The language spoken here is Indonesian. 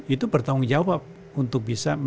itu bertanggung jawab untuk bisa